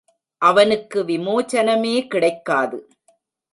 அவனுக்கு விமோசனமே கிடைக்காது.